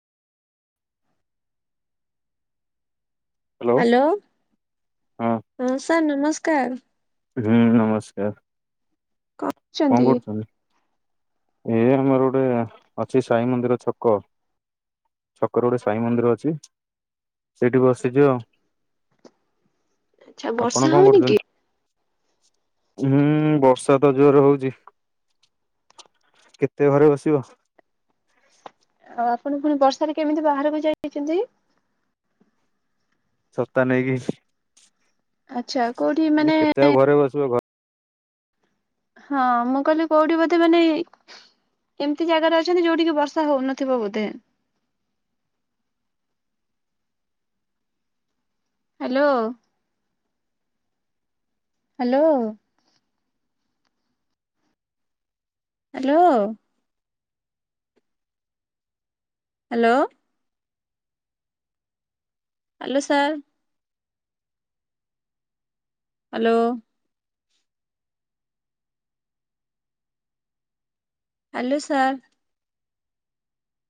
Hello ହଁ sir ନମସ୍କାର। ହୁଁ ନମସ୍କାର ଛନ୍ତି କଣ କରୁଚନ୍ତି। ଏ ଆମର ଗୋଟେ ଅଛି ସାଇ ମନ୍ଦିର ଛକ ଛକରେ ଗୋଟେ ସାଇ ମନ୍ଦିର ଅଛି ସେଇଠି ବସିଚି ଆଉ। ଆଚ୍ଛା ଆପଣ ବର୍ଷା କଣ ହଉନି କି? କରୁଛନ୍ତି ହୁଁ ବର୍ଷା ତ ଜୋର ହଉଚି। କେତେ ଘରେ ବସିବ। ଆଉ ଆପଣ ପୁଣି ବର୍ଷାରେ କେମିତି ବାହାରକୁ ଯା ଯାଇଚନ୍ତି। ଛତା ନେଇକି। ଆଚ୍ଛା କୋଉଠି ମାନେ କେତେ ଆଉ ଘରେ ବସିବ ଘ ହଁ ମୁଁ କହିଲି କୋଉଠି ବୋଧେ ମାନେ ଏମିତି ଜାଗାରେ ଅଛନ୍ତି ଯୋଉଠିକି ବର୍ଷା ହଉନଥିବ ବୋଧେ। Hello. Hello. Hello. Hello. Hello sir. Hello. Hello sir.